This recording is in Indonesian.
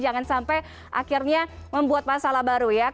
jangan sampai akhirnya membuat masalah baru ya